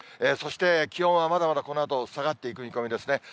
そして気温はまだまだこのあと下がっていく見込みですね。